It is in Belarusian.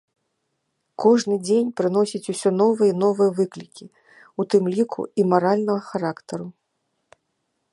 Кожны дзень прыносіць усё новыя і новыя выклікі, у тым ліку і маральнага характару.